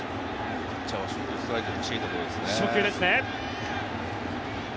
ピッチャーは初球、ストライク欲しいところですね。